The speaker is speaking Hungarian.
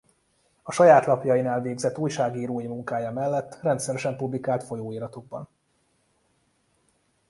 A saját lapjainál végzett újságírói munkája mellett rendszeresen publikált folyóiratokban.